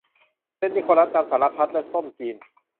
เซนต์นิโคลัสนำสารพัดและส้มจีน